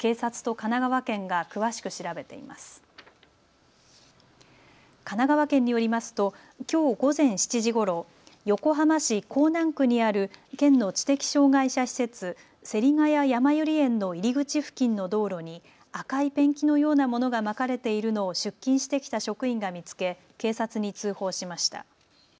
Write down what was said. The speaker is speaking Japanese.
神奈川県によりますときょう午前７時ごろ、横浜市港南区にある県の知的障害者施設、芹が谷やまゆり園の入り口付近の道路に赤いペンキのようなものがまかれているのを出勤してきた職員が見つけ警察に通報しました。